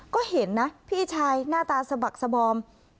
ก็เห็นนะพี่ชายหน้าตาสะบักสบอม